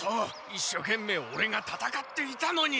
一所懸命オレがたたかっていたのに。